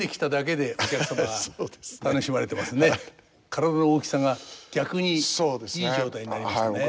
体の大きさが逆にいい状態になりましたね。